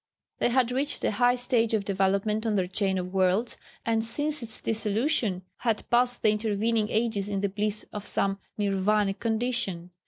They had reached a high stage of development on their chain of worlds, and since its dissolution had passed the intervening ages in the bliss of some Nirvanic condition.